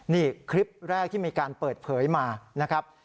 นี่คลิปแรกที่มีการเปิดเผยมานะครับ